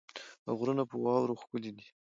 او غرونه په واوره ښکلې دي.